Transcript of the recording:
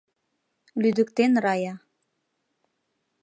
— Лӱдыктен Рая.